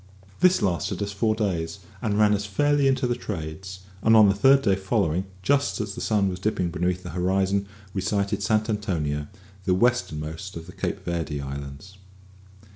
This lasted us for four days, and ran us fairly into the "trades," and on the third day following, just as the sun was dipping beneath the horizon, we sighted Saint Antonio, the westernmost of the Cape Verde Islands.